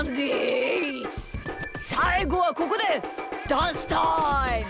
さいごはここでダンスタイム！